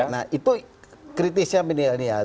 nah itu kritisnya milenial